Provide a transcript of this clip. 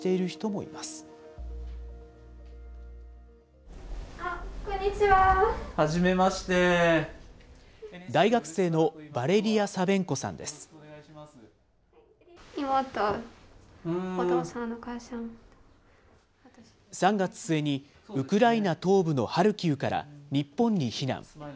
妹、お父さん、３月末に、ウクライナ東部のハルキウから日本に避難。